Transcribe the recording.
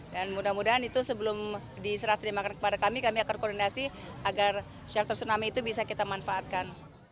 dan mudah mudahan itu sebelum diserah terima kepada kami kami akan koordinasi agar shelter tsunami itu bisa kita manfaatkan